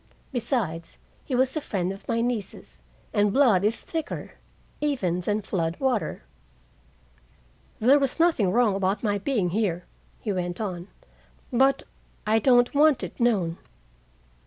Besides, he was a friend of my niece's, and blood is thicker even than flood water. "There was nothing wrong about my being here," he went on, "but I don't want it known.